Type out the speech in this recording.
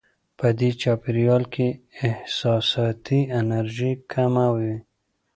په دې چاپېریال کې احساساتي انرژي کمه وي.